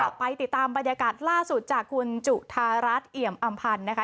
ไปติดตามบรรยากาศล่าสุดจากคุณจุธารัฐเอี่ยมอำพันธ์นะคะ